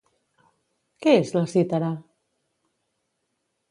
Què és la cítara?